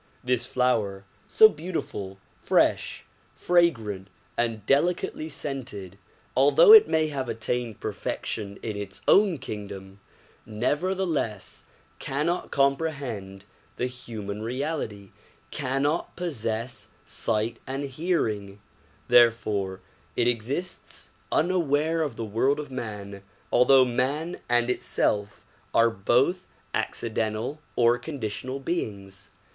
This flower, so beautiful, fresh, fragrant and delicately scented, although it may have attained perfection in its own kingdom, nevertheless cannot comprehend the human reality, cannot possess sight and hearing; therefore it exists un aware of the world of man although man and itself are both accidental or conditional beings.